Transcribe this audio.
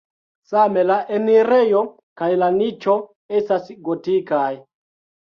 Same la enirejo kaj la niĉo estas gotikaj.